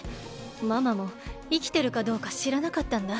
ママもいきてるかどうかしらなかったんだ。